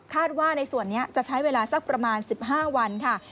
ว่าในส่วนนี้จะใช้เวลาสักประมาณ๑๕วันค่ะ